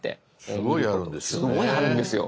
すごいあるんですよね。